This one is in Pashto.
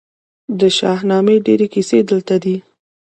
د شاهنامې ډیرې کیسې دلته دي